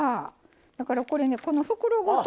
だからこれねこの袋ごと。